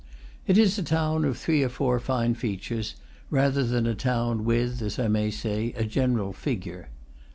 It is a town of three or four fine features, rather than a town with, as I may say, a general figure.